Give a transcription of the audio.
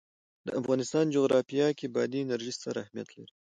د افغانستان جغرافیه کې بادي انرژي ستر اهمیت لري.